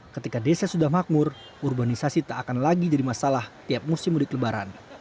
ketika desa sudah makmur urbanisasi tak akan lagi jadi masalah tiap musim mudik lebaran